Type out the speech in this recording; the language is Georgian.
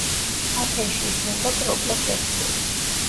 ათენში ისმენდა პროკლეს ლექციებს.